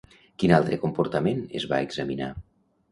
Quin altre comportament es va examinar?